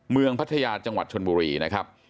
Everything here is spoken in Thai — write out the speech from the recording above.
พัทยาจังหวัดชนบุรีนะครับ